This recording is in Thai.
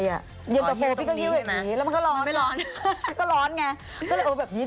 เย็นตะโฟพี่ก็หิ้วแบบนี้แล้วมันก็ร้อนมันไม่ร้อน